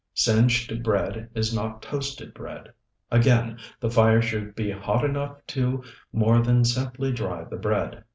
Singed bread is not toasted bread. Again, the fire should be hot enough to more than simply dry the bread.